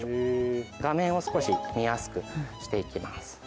画面を少し見やすくしていきます。